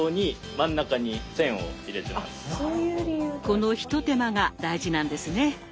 この一手間が大事なんですね。